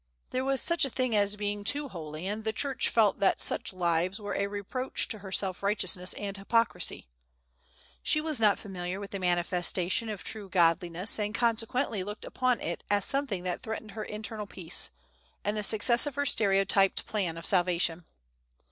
There was such a thing as being too holy, and the Church felt that such lives were a reproach to her self righteousness and hypocrisy. She was not familiar with the manifestation of true Godliness, and consequently looked upon it as something that threatened her internal peace, and the success of her stereotyped plan of salvation.